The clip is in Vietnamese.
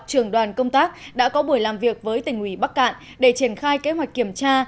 trường đoàn công tác đã có buổi làm việc với tỉnh ủy bắc cạn để triển khai kế hoạch kiểm tra